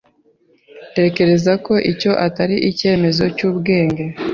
Ntekereza ko icyo atari icyemezo cyubwenge.